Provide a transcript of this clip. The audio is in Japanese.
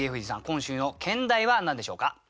今週の兼題は何でしょうか。